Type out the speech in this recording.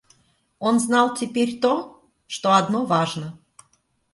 Он знал теперь то, что одно важно.